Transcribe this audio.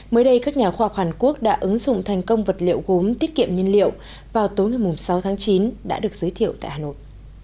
mới đây các nhà khoa học hàn quốc đã ứng dụng thành công vật liệu gốm tiết kiệm nhiên liệu vào tối ngày sáu tháng chín đã được giới thiệu tại hà nội